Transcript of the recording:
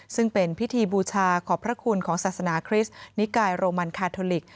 ซึ่งเป็นพิธีบูชาขอบพระคุณของศาสนาคริสต์นิกายโรมันคาทอลิก